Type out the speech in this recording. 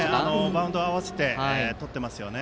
バウンドを合わせてとっていますよね。